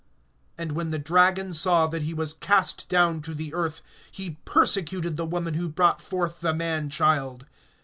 (13)And when the dragon saw that he was cast down to the earth, he persecuted the woman who brought forth the man child.